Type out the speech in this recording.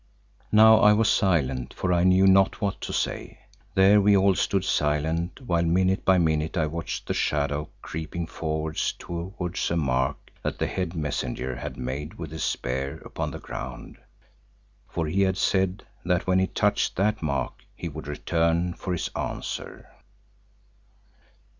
Now I was silent for I knew not what to say. There we all stood silent, while minute by minute I watched the shadow creeping forward towards a mark that the head messenger had made with his spear upon the ground, for he had said that when it touched that mark he would return for his answer.